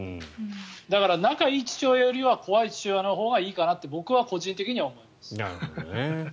だから、仲がいい父親より怖い父親のほうがいいかなと僕は個人的には思います。